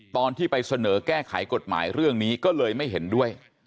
ตอนที่ไปเสนอแก้ไขกฎหมายเรื่องนี้ก็เลยไม่เห็นด้วย